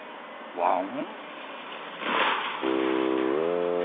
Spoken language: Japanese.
ワン！